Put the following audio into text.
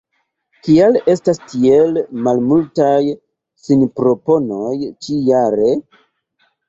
Kial estas tiel malmultaj sinproponoj ĉi-jare?